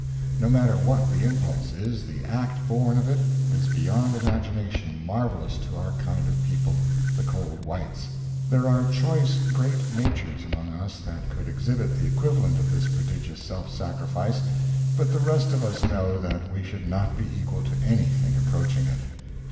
No matter what the impulse is, the act born of it is beyond imagination marvelous to our kind of people, the cold whites. There are choice great natures among us that could exhibit the equivalent of this prodigious self sacrifice, but the rest of us know that we should not be equal to anything approaching it.